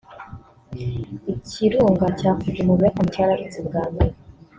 Ikirunga cya Fuji mu Buyapani cyararutse bwa nyuma